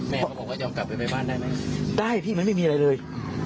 เขาบอกว่ายอมกลับไปไปบ้านได้ไหมได้พี่มันไม่มีอะไรเลย